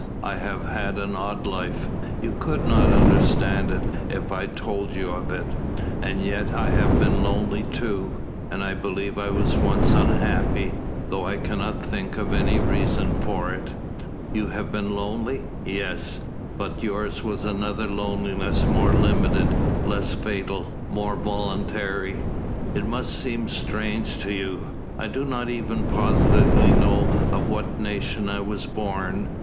I have had an odd life. You could not understand it, if I told you of it." "And yet I have been lonely too and I believe I was once unhappy, though I cannot think of any reason for it." "You have been lonely yes. But yours was another loneliness more limited, less fatal, more voluntary. It must seem strange to you I do not even positively know of what nation I was born."